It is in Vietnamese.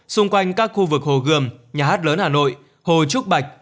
xung quanh các khu vực hồ gươm nhà hát lớn hà nội hồ trúc bạch